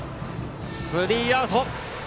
スリーアウト。